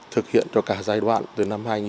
thực hiện cho cả giai đoạn từ năm hai nghìn một mươi năm